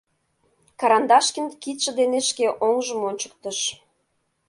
— Карандашкин кидше дене шке оҥжым ончыктыш.